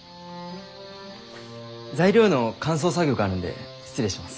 材料の乾燥作業があるので失礼します。